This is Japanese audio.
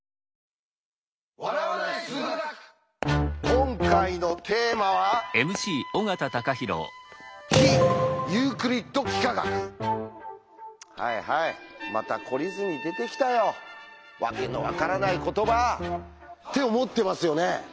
今回のテーマは「はいはいまた懲りずに出てきたよ訳の分からない言葉！」って思ってますよね？